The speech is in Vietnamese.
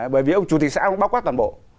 bởi vì ông chủ tịch xã báo quát toàn bộ